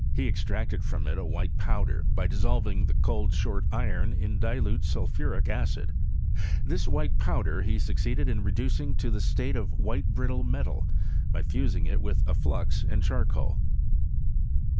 He extracted from it a white powder, by dissolving the cold short iron in dilute sulphuric acid. This white powder he succeeded in reducing to the state of a white brittle metal, by fusing it witK a flux and cheircoal.